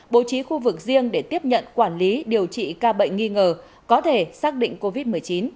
bố trí khu vực riêng để tiếp nhận quản lý điều trị ca bệnh nghi ngờ có thể xác định covid một mươi chín